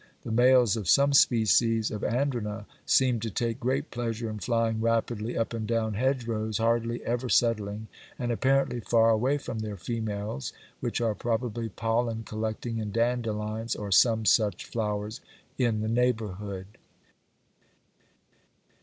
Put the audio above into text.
The males of some species of Andrena seem to take great pleasure in flying rapidly up and down hedgerows, hardly ever settling, and apparently far away from their females, which are probably pollen collecting in dandelions or some such flowers in the neighbourhood.